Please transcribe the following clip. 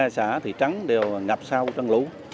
một mươi hai xã thị trấn đều ngập sâu trong lũ